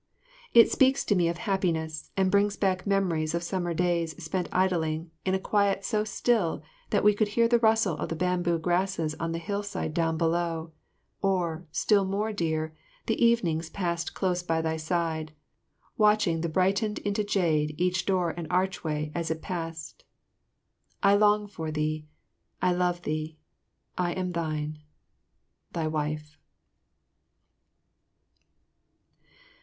It speaks to me of happiness and brings back memories of summer days spent idling in a quite so still that we could hear the rustle of the bamboo grasses on the hillside down below; or, still more dear, the evenings passed close by thy side, watching the brightened into jade each door and archway as it passed. I long for thee, I love thee, I am thine. Thy Wife.